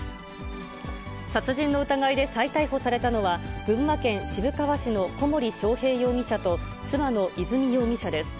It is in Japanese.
殺人の疑いで再逮捕されたのは、群馬県渋川市の小森章平容疑者と、妻の和美容疑者です。